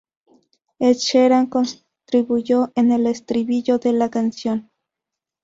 Ed Sheeran, contribuyó con el estribillo de la canción.